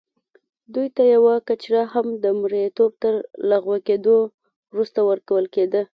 دوی ته یوه کچره هم د مریتوب تر لغوه کېدو وروسته ورکول کېده.